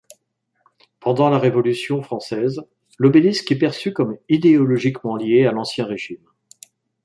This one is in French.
Pendant la Révolution française, l'obélisque est perçu comme idéologiquement lié à l'Ancien Régime.